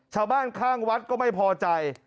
ชาวบ้านข้างวัดก็ไม่พอใจ